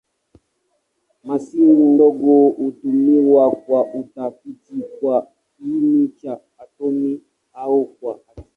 Mashine ndogo hutumiwa kwa utafiti kwa kiini cha atomi au kwa tiba.